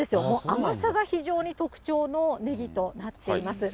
甘さが非常に特徴のねぎとなっています。